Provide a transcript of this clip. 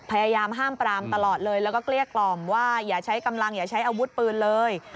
พยายามห้ามปรามตลอดเลยแล้วก็เกลี้ยกล่อมว่าอย่าใช้กำลังอย่าใช้อาวุธปืนเลย